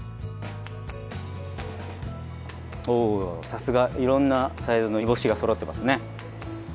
さすがいろんなサイズの煮干しがそろってますね。